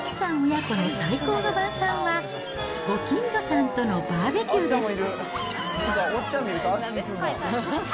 親子の最高の晩さんは、ご近所さんとのバーベキューです。